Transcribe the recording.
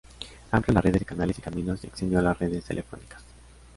Amplió las redes de canales y caminos, y extendió las redes telefónicas.